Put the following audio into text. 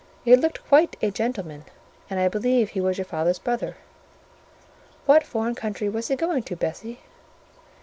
He looked quite a gentleman, and I believe he was your father's brother." "What foreign country was he going to, Bessie?"